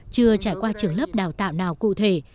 chưa trải qua trường lớp đào tạo nào cụ thể